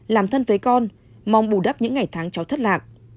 làm thân với con mong bù đắp những ngày tháng cháu thất lạc